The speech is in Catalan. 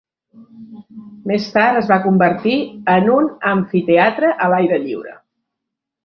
Més tard es va convertir en un amfiteatre a l'aire lliure.